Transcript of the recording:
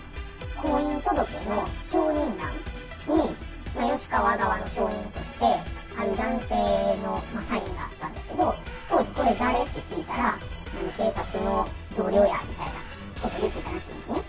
婚姻届の証人欄に吉川側の証人として、男性のサインがあったんですけど、これ誰？って聞いたら、警察の同僚やみたいなことを言ってたらしいんですね。